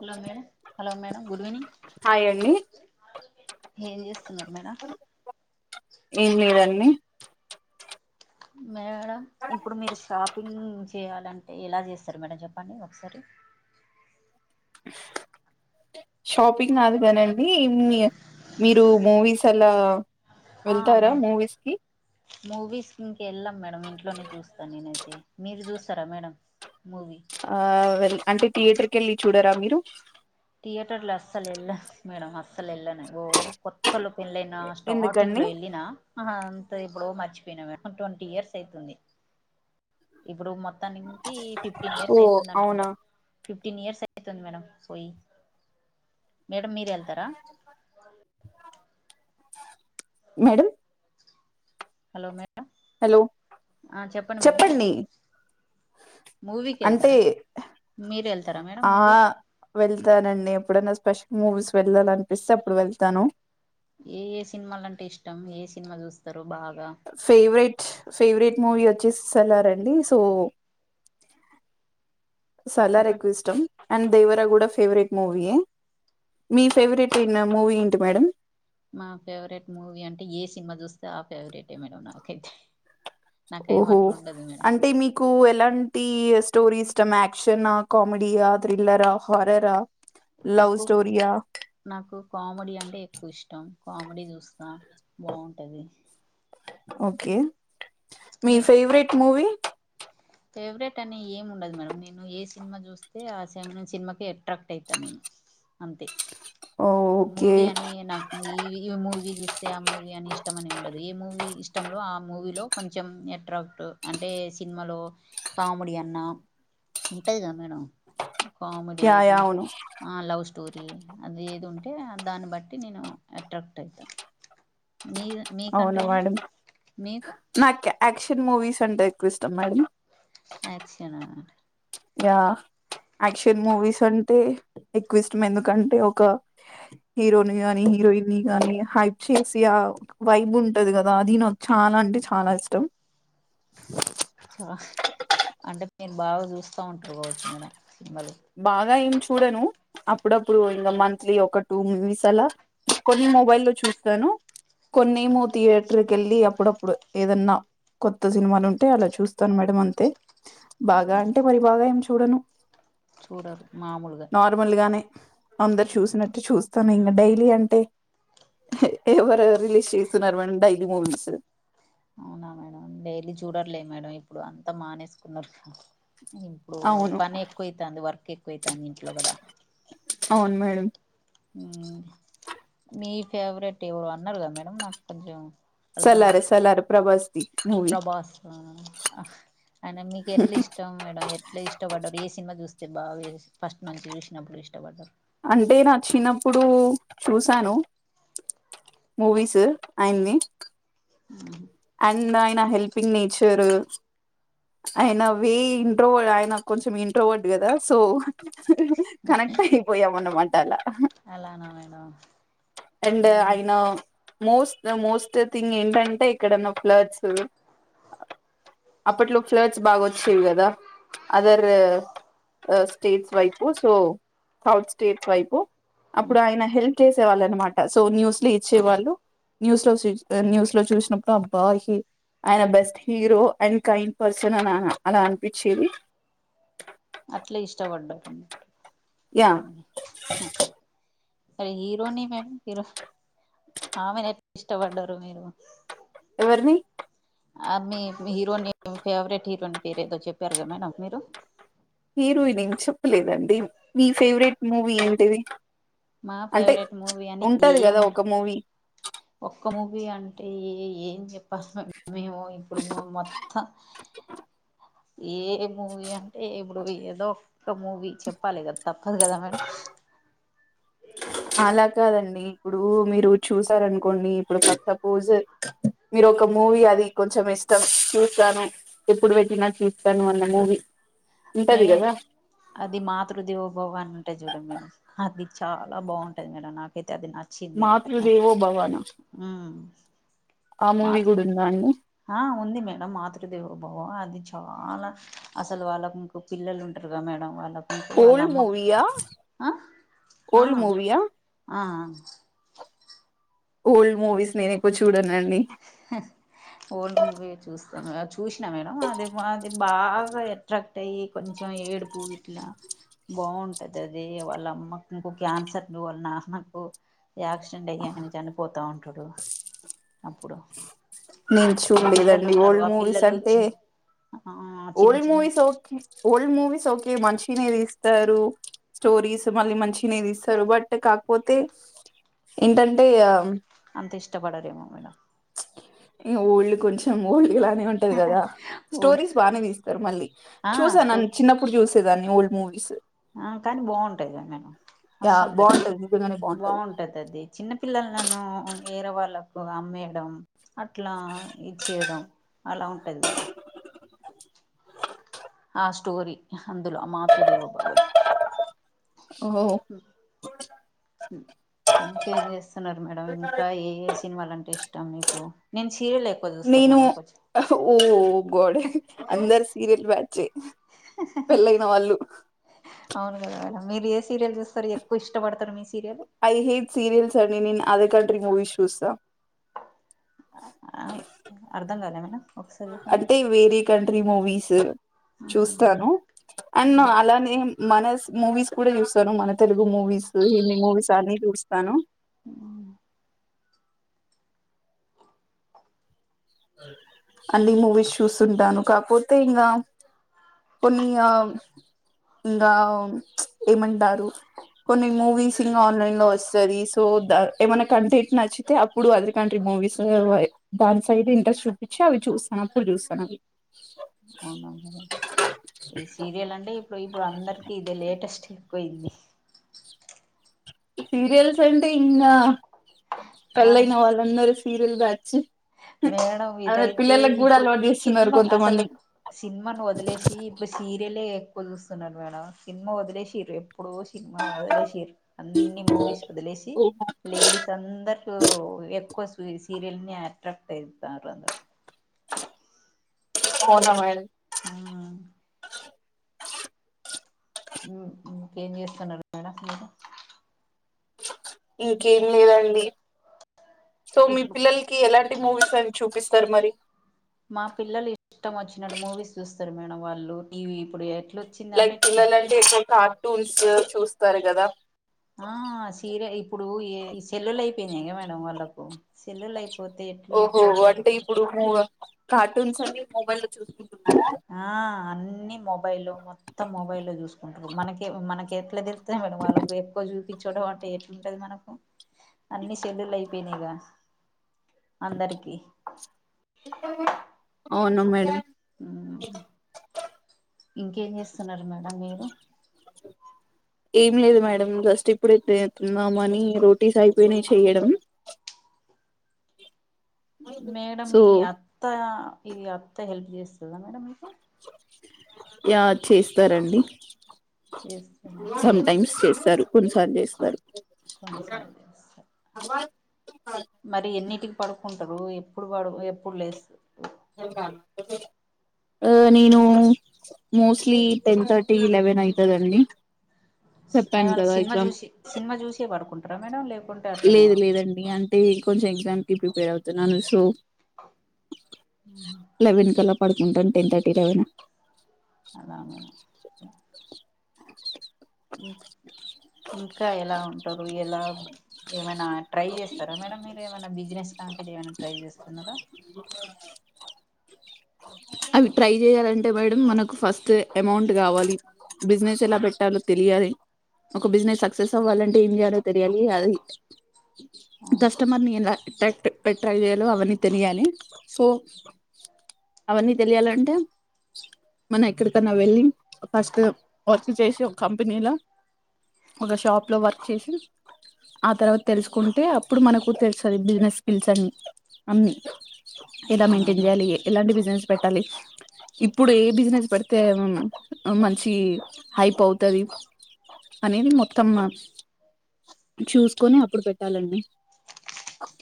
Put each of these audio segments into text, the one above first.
Hello madam hello madam good evening hi అండి ఏం చేస్తున్నారు మేడం. ఏం లేదంన్ని మేడం ఇప్పుడు మీరు షాపింగ్ చేయాలంటే ఎలా చేస్తారు మేడం చెప్పండి. ఒకసారి షాపింగ్ కాదు కానండి మి మీరు మూవీస్ అలా వెళ్తారా మూవీస్ కి మూవీస్ మూ వెళ్ళం మేడం ఇంట్లోనే చూస్తా నేను మీరు చూస్తారా మేడం? మూవీ ఆ వెల్ అంటే థియేటర్ కెళ్ళి చూడరా మీరు థియేటర్ల అస్సల ఎల్ల మేడం మా అసలు ఏళ్ళను ఓ కొత్తలో పెళ్ళైనా స్టార్టింగ్ ఎందుకండి లో వెళ్ళిన అంత ఇప్పుడు మ నేను ఎప్ ట్వంటీ ఇయర్స్ అయితుంది ఇప్పుడు మత్త మొత్తానికి ఫిఫ్టీన్ ఇయర్స్ ఓ అయితాంది అవునా అనుకుంటా ఫిఫ్టీ ఫిఫ్టీన్ ఇయర్స్ అయితుంది మేడం పోయి మేడం మీరెళ్తరా మేడమ్ హలో మే హలో మేడం చెప్పండి మూవీకి అంటే వెళ్తారా మీరు వెళ్తారా మేడం ఆ మూవీకి వెళ్తానండి ఎప్పుడన్నా స్పె మూవిస్ వెళ్ళాలనిపిస్తే అప్పుడు వెళ్తాను ఏ ఏ సినిమాలంటే ఇష్టం ఏ సినిమా చూస్తారు బాగా ఫేవ్రెట్ ఫేవరెట్ మూవీ వత్ససెలారండి సో సల్లార్ చెప్పండి ఎక్కువ ఇష్టం అండ్ దేవరా గు ఫేవరెట్ మూవీ మీ ఫేవరెట్ మూవీ ఏంటి మేడం మా ఫేవరెట్ మూవీ అంటే ఏ సినిమా చూస్తే ఆ ఫేవరెటే మేడం నాకైతె ఓహో అంటే మీకు ఎలాంటి స్టోరీస్ ఇష్టం యాక్షన్ కమెడి ఆ థ్రిల్లరా హారరా లవ్ నాకు స్టోరీయా నాకు కామెడీ అంటే ఎక్కువ ఇష్టం కామెడీ చూస్తా బాగుంటది ఓకె మీ ఫేవ్రెట్ మూవీ ఫేవరెట్ అని ఏం ఉండదు మేడం నేను ఏ సినిమా చూస్తే ఆే సినిమాకి ఎట్రాక్ట్ అయితాను నేను అంతే ఓకే. మూవీ అని నాకు ఈ మూవీ చూస్ అతే ఆ మూవీ అని ఇష్టం అని ఉండదు ఏ మూవీ ఇష్టంలో ఆ మూవీలో కొంచెం ఎట్రాక్ట్ అంటే సినిమాలో కామెడీ అన్న ఉంటది కద మేడం కామెడీ యా యా అవును. అ లవ్ స్ స్టోరి అది ఏది ఉంటే దాన్ని బట్టి నేను ఎట్రాక్ట్ అవుతాను మీ అవును మీకంటే మేడం. మీకు న్ మూవీస్ అంటే ఎక్కువ ఇష్టం మేడం యాక్షనా ఆ యాక్షన్ మూవీస్ అంటే ఎక్కువ ఇష్టం ఎందుకంటే ఒక హీరోని గానీ హీరోయిన్ గాని హైప్ చేసి ఆ వైబ్ ఉంటది కదా అది నాకు చాన అంటే చాల ఇష్టం ఛ అంటే మీరు బాగ చూస్తా ఉంటారు కావచ్చు మీనా సినిమాల్ బాగ ఏమ్ చూడను అప్పుడప్పుడు ఇంకా మంత్లీ ఒక టూ మవస్ అలా కొన్ని మొబైల్ లో చూస్తాను కొన్ని ఏమో థియేటర్కి వెళ్ళి అప్పుడప్పుడు ఏదన్న కొత్త సినిమాలు ఉంటే అలా చూస్తాను మేడం అంతే బాగా అంటే మరి బాగ ఏం చూడను చూడరు మాముల్గా నార్మల్ గానే అందరు చూసినట్టు చూస్తాను ఇంకా డైలీ అంటే ఎవరు రిలీజ్ చేస్తున్నారు మేనడం డైలీ మూవీస్ అవునా మేడం డైలీ చూడర్లే మేడం ఇప్పుడు అంతా మానేసుకున్నారు ఇప్పుడు అవును పని ఎక్కువైతుంది వర్క్ ఎక్కు కొ తన ఇంచలుగంద వు మేడం మీ ఫేవరెట్వ అన్నర్గాా మేడం నాకు కొంచెం అర్థం సలారే కాదు సల్ార ప్రభాస్ ప్రభాస్ అ మీకు ఎట్లా ఇష్టం మేడం ఎట్లా ఇష్టపడ్డారు ఏ సినిమా చూస్తే బాగా ఫస్ట్ నుంచి చూసినప్పుడు ఇష్టపడ్డారు అంటే నచ్చినప్పుడు చూసాను మూవీస్ ఆయన్ని ఆ అండ్ ఆయన హెల్పింగ్ నేచర్ ఆయన వే ఇంట్రో ఆయన కొంచెం ఇంట్రోవర్డ్ కదా సో కనెక్ట్యిపోయిమన్నమాట తలా అలానా మేడం అండ్ ఈ ఆయన మోస్ట్ మోస్ట్ థింగ్ ఏంటంటే ఎక్కడన్నా ఫ్లడ్స్ అప్పట్లో ఫ్లడ్స్ బాగా వచ్చేవి కదా అదర్ స్టేట్స్ వైపు సో సౌత్ స్టేట్స్ వైపు అప్పుడు ఆయన హెల్త్ సేవాళ్ళ అనమాట సో న్యూస్ లో ఇచ్చేవాళ్ళు న్యూస్ లో న్యూస్ లో చూసిన బ్బాయి ఆయన best hero and kind person అని అలా అనిపించేది అట్లే ఇష్టపడ్డారుం యా అరే హీరోని మేడం హీరో ఆమె ఎట్లా ఇష్టపడ్డారు మీరు ఎవరిని అ మీ హీరోని ఫేవరెట్ హీరోయిని పేరు ఏదో చెప్పారు కదా మేడం మీరు హీరోయిన్ ఏం చెప్పలేదండి మీ ఫేవరెట్ మూవీ ఏంటిది మా అంటే ఫేవరెట్ మూవీ అని ఉంటది కదా ఏము ఒక మూవీ ఒక్క మూవీ అండి అంటే ఏం చెప్పాస మ మేము ఇప్పుడు మొత్తం ఏ మూవీ అంటే ఇప్పుడు ఏదో ఒక మూవీ చెప్పాలి కదా తప్పదు కదా మేడం అలా కాదండి ఇప్పుడు మీరు చూసారనుకోండి ఇప్పుడు సపోజ్ మీరు ఒక మూవీ అది కొంచెం ఇష్టం చూస్తాను ఎప్పుడు పెట్టినా చూస్తాను అన్న మూవీ మే ఉంటది కదా అది మాతృ దేవోభావ అని అంటే చూడం మేడం అది చాలా బాగుంటది మేడం నాకైతే తద అచ్చిది మాతృదేవో భవాన ఆ మూవీ కూడా ఉందా అండి ఆ ఉంది మేడం మాతృదేవభవ అది చాలా అసలు వాళ్ళకు పిల్లలు ఉంటరు గ మేడం వాళ్ళకు వాళ్ళ ఓల్డ్ అమ్మకు మూవీయా ఆ ఆ ఓల్డ్ మూవీయా ఆ ఓల్డ్ మూవీస్ నేను ఎక్కువ చూడనండి ఓల్డ్ మూవీ ఏ చూస్తాను గాచ్ జూసినా మేడం అది అది బాగా ఎట్రాక్ట్ ట్టయి కొంచెం ఏడుపు ఇట్లా బావుంటది అది వాళ్ళ అమ్మకు ఇంకో క్యాన్సర్ వాళ్ళ నాన్నకు యాక్సిడెంట్ అయి ఆయన చనిపోతా ఉంటా [inaudible] అప్పుడు నేను పిల్లలు చూడలేదండి ఉన్నారు ఓల్డ్ ఆ మూవీస్ పిల్లలు అంటే చి ఆ చిన్న ఓల్డ్ చిన్న మూవీస్ ఓక్ ఓల్డ్ మూవీస్ ఓక్ మంచినే తీస్తారు స్టోరీస్ మళ్ళీ మంచినే తీస్తారు బట్ కాకపోతే ఏంటంటే అంత ఇష్టపడరేమో మేడం ఏ ఓల్డ్ కొంచెం ఓల్డ్ లానే ఉంటది గదా ఓల్డ్ స్టోరీస్ బానే దీస్తారు మళ్ళీ ఆ స్టో చూసానండి చిన్నప్పుడుజూసా దాన్ని ఓల్డ్ మూవీస్ ఆ కానీ బాగుంటాయి గ నాకు యా మస్తుంటది బాగుంటది నిజంగానే బాగుంటది అది చిన్న పిల్లల ను వేరే వాళ్లకు అమ్మేయడం అట్లా ఇచ్చేయడం అలా ఉంటది గదా ఆ స్టోరీ అందులో మాతృదేవోబవ లో ఓ ఇంకేంజెస్ మేడం ఇంకా ఏ ఏ సినిమాలంటే ఇష్టా మీకు సీరియల్ ఎక్కువ చూస్తా నేను మేడం కొంచెం ఊ గోడ అందరు సీరియల్ బ్యా [unintelligible] అవును గదా మేడం మీరు ఏ సీరియల్ జూస్తరు ఎక్కువ ఇష్టపడతారు మీ సీరియల్ ఐ హేట్ సీరియల్స్ అవి విన అదే కంట్రీ మూవీస్ చూస్తాం అర్ధం కాలె మేం అంటే వేరే కంట్రీ మూవీస్ చూస్తాను అండ్ అలానే మనస్ మూవీస్ కూడా చూస్తాను మన తెలుగు మూవీస్ హిందీ మూవీస్ అన్ని చూస్తాను. అన్నీ మూవీస్ చూస్తుంటాను కాకపోతే ఇంగ. కొన్ని ఇంగ ఏమంటారు కొన్ని మూవీస్ ఇంగ ఆన్లైన్ లో వస్తది సో ద ఏమైనా కంటెంట్ నచ్చితే అప్పుడు అదర్ కంట్రీ మూవీస్ దాని సైడ్ ఇంట్రెస్ట్ చూపించి అవి చూస్తాను అప్పుడు చూస్తాను అవి. అవునా ఈ సీరియల్ అండి. సో ఇప్పుడు అందరికీ ఇదే లేటెస్ట్. పోయింది. సీరియల్స్ అంటే ఇంగా. పెళ్లయిన వాళ్ళందరూ. హీరోలుగా వచి మేడమ్ ఇదైతే ఇప్పుడు అలవాటు చేస్తున్నారు సినిమా అసలు కొంతమంది సినిమాను వదిలేసి ఇప్పుడు సీరియలే. చూస్తున్నారు మేడమ్ సినిమా వదిలేసిరూ ఇప్పుడు సినిమా వదిలేసిరు అన్ని మూవీస్ వదిలేసి లేడీస్ అందరూ ఎక్కువ. సీరియల్నియా. [unintelligible] అవునా మేడం [unintelligible] హా ఆ ఇంకేం చేస్తున్నారు మేడమ్ మీరు. ఇంకేం లేదండి. సో మీ ఇప్పుడు పిల్లలకి ఎలాంటి. మూవీస్ అవి చూపిస్తారు మరి. మా పిల్లలు ఇష్టం వచ్చినట్ మూవీస్ చూస్తారు మేడమ్ వాళ్ళు టీవి ఇప్పుడు ఏ లైక్ పిల్లలు అంటే ఎక్కువగా. టూన్స్ చూస్తారు కదా. ఆ చీర ఇప్పుడు ఏ. సెల్లులు అయిపోయినయిగా మేడమ్ వాళ్ళకు. సెల్లులైప్. ఓహో అంటే ఇప్పుడు. కార్టూన్స్ అన్ని మొబైల్ లో చూసుకుం. ఆ అన్నిీ మొబైల్లో మొత్తం మొబైల్లో చూసుకుంటారు మనకి మనకయితే. ఇట్లా తిడుతూన్నా మేడం వాళ్ళకు ఎక్కువ చూపించడం అంటే ఎట్లుంటది మనకు అన్ని చెెల్లళ్లు అయిపోయినాయిగా అందరికి. అవును మేడమ్. ఉహు ఇంకేం చేస్తున్నారు మేడమ్ మీరు. ఏం లేదు మేడం జస్ట్ ఇప్పుడే తిందాము అని రోటీస్ అయిపోయినాయి చెయ్యడం. మేడమ్ సో మీ అత్త. ఇది అత్తా హెల్ప్ చేస్తుందా మేడం మీకు ఎవరు చేస్తారండి చేస్తదా సమ్ ఏ టైమ్స్ చేస్తారు కొన్ని తగ్గేసి మరి కొన్నిసార్లు మరి ఎన్నిటికి పడుకుంటారు ఎప్పుడు పడు ఎప్పుడు లే నేను మోస్ట్లీ టెన్ థర్టీ లెవెన్ అయితదండి చెప్పాను ఏమన్నా కదా సినిమా ఎగ్జామ్ చూసి సినిమా చూసి పడుకుం క్రమేణా లేవు లేదు లేదండి అం టే కొంచెం ఎగ్జామ్ కి ప్రిపేర్ అవుతున్నాను సో లెవెన్ కల్లా పడుకుంటను టెన్ థర్టీ కైనా అలా మేడం హ్మ్ ఇంకా ఎలా ఉంటారు ఎలా ఏమైనా ట్రై చేస్తారా మేడం మీరు ఏమైనా బిజినెస్ లాంటిది ఏమైనా ట్రై చేస్తున్నారా అవి ట్రై చేయాలంటే మేడం మనకు ఫస్ట్ అమౌంట్ కావాలి బిజినెస్ ఎలా పెట్టాలో తెలియాలి ఒక బిజినెస్ సక్సెస్ అవ్వాలంటే ఏం చేయాలో తెలియాలి అది కస్టమర్ ని ఎలా ఎట్రాక్ట్ పె ట్రాక్ చేయాలో అవన్నీ తెలియాలి సో అవన్నీ తెలియాలంటే మనం ఎక్కడికన్నా వెళ్ళి ఫస్ట్ వర్క్ చేసి ఒక కంపెనీలో ఒక షాప్లో వర్క్ చేసి ఆ తర్వాత తెలుసుకుంటే అప్పుడు మనకు తెలుస్తుంది బిజినెస్ స్కిల్స్ అన్ని అన్నీ ఎలా మెయింటైన్ చేయాలి ఎలాంటి బి బిజినెస్ పెట్టాలి ఇప్పుడు ఏ బిజినెస్ పెడితే మంచి హైప్ అవుతది అనేది మొత్తం చూసుకొని అప్పుడు పెట్టాలండి.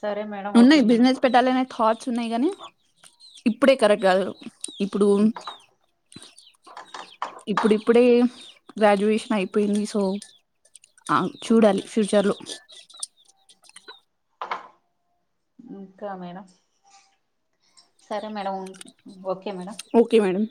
సరే మేడం ఓకే ఉన్నయ్ మేడం బిజినెస్ పెట్టాలనే థాట్స్ ఉన్నాయి గానీ ఇప్ ఇప్పుడే కరెక్ట్ గాదు ఇప్పుడు ఇప్పుడిప్పుడే గ్రాడ్యుయేషన్ అయిపోయింది సో ఆ చూడాలి ఫ్యూచర్లో. ఇంకా మేడం సరే మేడం ఉం ఓకే మేడం ఓకే మేడం